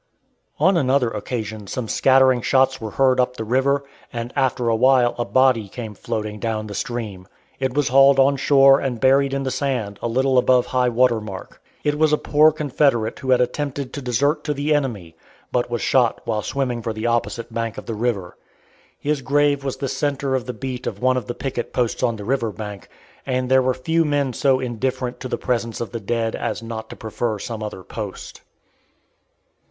On another occasion some scattering shots were heard up the river, and after a while a body came floating down the stream. It was hauled on shore and buried in the sand a little above high water mark. It was a poor Confederate who had attempted to desert to the enemy, but was shot while swimming for the opposite bank of the river. His grave was the centre of the beat of one of the picket posts on the river bank, and there were few men so indifferent to the presence of the dead as not to prefer some other post.